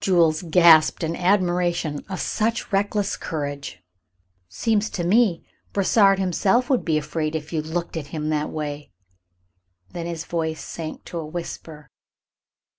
Jules gasped in admiration of such reckless courage. "Seems to me Brossard himself would be afraid of you if you looked at him that way." Then his voice sank to a whisper.